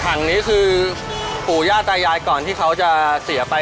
ถังนี้คือปู่ย่าตายายก่อนที่เขาจะเสียไป